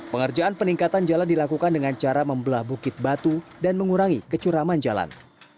pengerjaan peningkatan jalan dilakukan dengan cara membelah bukit batu dan mengurangi kecuraman jalan